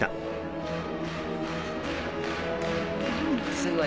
すごい。